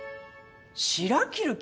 しら切る気？